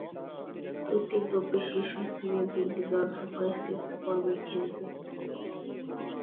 প্রতি গ্রুপে শীর্ষস্থানীয় তিনটি দল সুপার সিক্স পর্বে খেলবে।